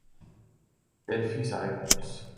Telle fut sa réponse.